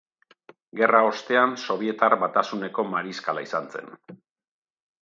Gerra ostean Sobietar Batasuneko Mariskala izan zen.